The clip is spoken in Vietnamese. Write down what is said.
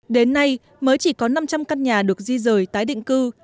đến nay mới chỉ có năm trăm linh căn nhà được di rời tái định cư